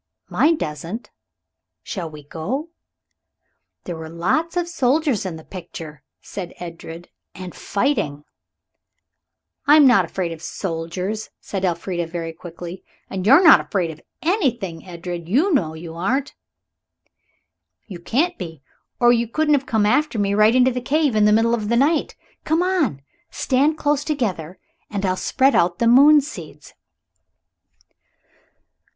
"Mine doesn't. Shall we go?" "There were lots of soldiers in the picture," said Edred, "and fighting." "I'm not afraid of soldiers," said Elfrida very quickly, "and you're not afraid of anything, Edred you know you aren't." "You can't be or you couldn't have come after me right into the cave in the middle of the night. Come on. Stand close together and I'll spread out the moon seeds."